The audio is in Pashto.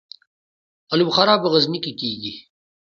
الو بخارا په غزني کې کیږي